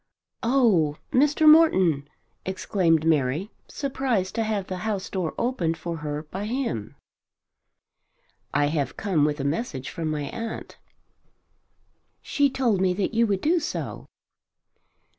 "Oh, Mr. Morton!" exclaimed Mary surprised to have the house door opened for her by him. "I have come with a message from my aunt." "She told me that you would do so."